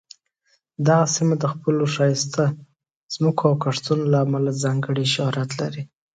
دغه سیمه د خپلو ښایسته ځمکو او کښتونو له امله ځانګړې شهرت لري.